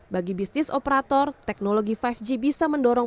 bagi bisnis operator teknologi lima g bisa mendorong